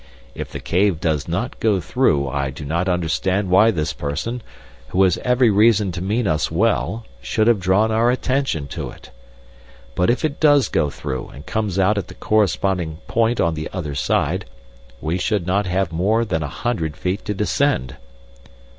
"If the cave does not go through I do not understand why this person, who has every reason to mean us well, should have drawn our attention to it. But if it does go through and comes out at the corresponding point on the other side, we should not have more than a hundred feet to descend."